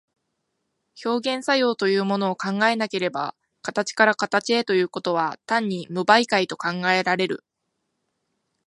表現作用というものを考えなければ、形から形へということは単に無媒介と考えられる。